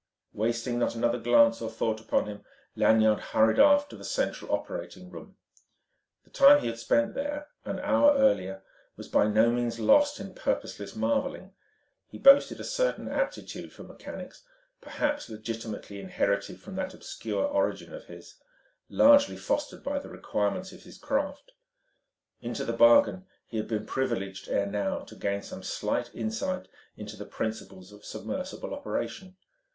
Wasting not another glance or thought upon him Lanyard hurried aft to the central operating room. The time he had spent there, an hour earlier, was by no means lost in purposeless marvelling. He boasted a certain aptitude for mechanics, perhaps legitimately inherited from that obscure origin of his, largely fostered by the requirements of his craft; into the bargain, he had been privileged ere now to gain some slight insight into the principles of submersible operation.